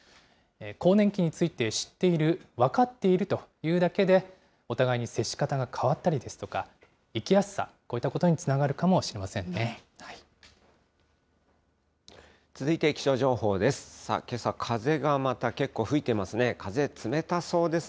更年期について知っている、分かっているというだけで、お互いに接し方が変わったりですとか、生きやすさ、こういったことにつな続いて気象情報です。